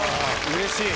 うれしい。